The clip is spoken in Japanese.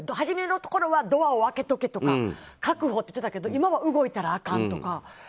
初めのころはドアを開けとけとか確保って言ってたけど今は動いたらあかんとか。